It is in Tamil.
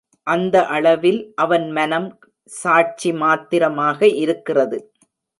அந்த அளவில் அவன் மனம் சாட்சி மாத்திரமாக இருக்கிறது.